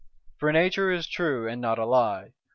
For Nature is true and not a lie.